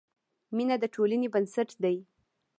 مینه د ټولنې بنسټ دی.